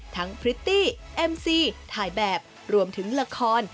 พริตตี้เอ็มซีถ่ายแบบรวมถึงละคร